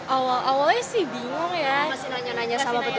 awal awalnya sih bingung ya masih nanya nanya sama petugas